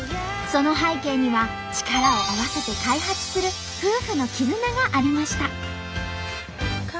その背景には力を合わせて開発する夫婦の絆がありました。